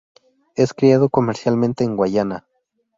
Es criado comercialmente en Guayana.